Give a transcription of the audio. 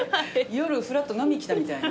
夜フラッと飲み来たみたいな。